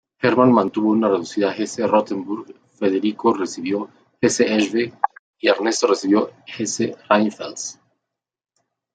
Herman mantuvo una reducida Hesse-Rotenburg, Federico recibió Hesse-Eschwege y Ernesto recibió Hesse-Rheinfels.